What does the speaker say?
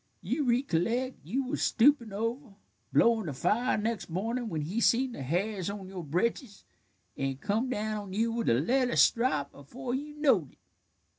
You ricolleck you was stoopin' over, blowin' the fire, next mornin', when he seen the hairs on your britches, an' come down on you with the leather strop afore you knowed it."